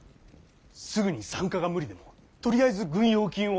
すぐに参加が無理でもとりあえず軍用金を。